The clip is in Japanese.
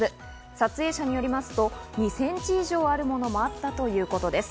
撮影者によりますと、２センチ以上あるものもあったということです。